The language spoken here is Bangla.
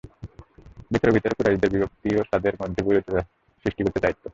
ভিতরে ভিতরে কুরাইশদের বিভক্তি ও তাদের মধ্যে বৈরীতা সৃষ্টি করতে চাইত।